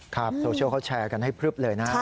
โซเชียลเขาแชร์กันให้พลึบเลยนะ